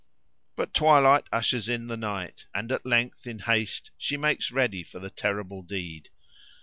But twilight ushers in the night; and at length in haste she makes ready for the terrible deed.